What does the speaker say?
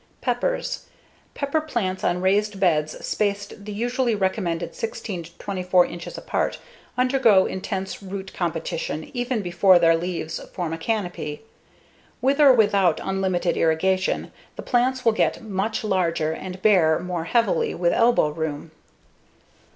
Peppers Pepper plants on raised beds spaced the usually recommended 16 to 24 inches apart undergo intense root competition even before their leaves form a canopy. With or without unlimited irrigation, the plants will get much larger and bear more heavily with elbow room.